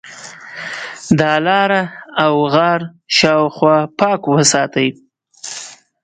د ا لاره او غار شاوخوا پاک وساتئ.